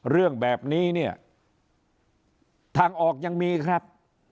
เรื่องแบบนี้เนี่ยทางออกยังมีครับ